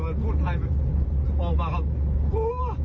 มันพูดไทยเหมือนออกมาครับโห